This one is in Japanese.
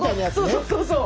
そうそうそうそう。